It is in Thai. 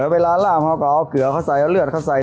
เวลาล่ามเขาก็เอาเกลือเขาใส่เอาเลือดเขาใส่